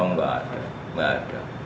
nggak ada nggak ada